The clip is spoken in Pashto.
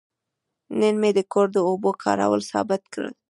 نن مې د کور د اوبو کارول ثابت کړل.